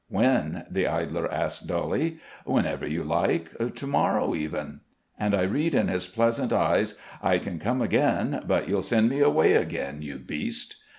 "When?" the idler asks, dully. "Whenever you like. To morrow, even." And I read in his pleasant eyes. "I can come again; but you'll send me away again, you beast."